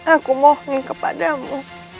aku mohon kepadamu